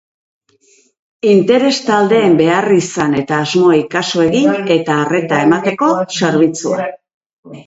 Interes-taldeen beharrizan eta asmoei kasu egin eta arreta emateko zerbitzua.